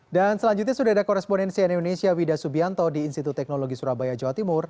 dan selanjutnya sudah ada koresponensi dari indonesia wida subianto di institut teknologi surabaya jawa timur